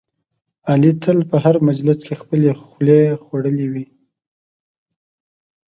علي تل په هر مجلس کې خپلې خولې خوړلی وي.